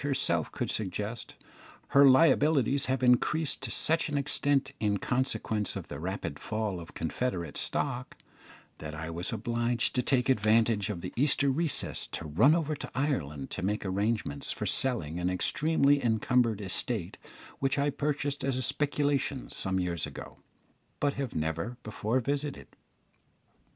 herself could suggest, her liabilities have increased to such an extent in consequence of the rapid fall of Confederate stock, that I was obliged to take advantage of the Easter recess to run over to Ireland to make arrangements for selling an extremely encumbered estate which I purchased as a speculation some years ago, but have never before visited.